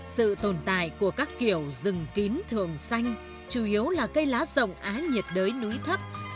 sự tồn tại của các kiểu rừng kín thường xanh chủ yếu là cây lá rộng á nhiệt đới núi thấp